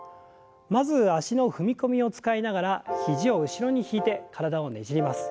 まず脚の踏み込みを使いながら肘を後ろに引いて体をねじります。